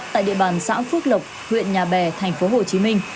tại địa bàn xã phước lộc huyện nhà bè tp hcm